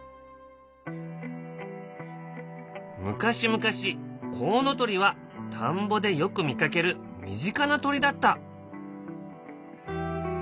昔々コウノトリは田んぼでよく見かける身近な鳥だった。